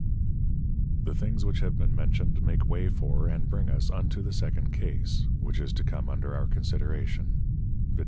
The things which have been mentioned make way for, and bring us unto the second Case, which is to come under our Consideration, _viz.